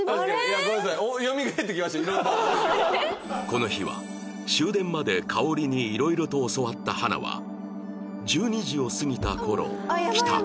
この日は終電まで香織に色々と教わった花は１２時を過ぎた頃帰宅